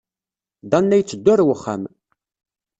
Dan la yetteddu ɣer wexxam.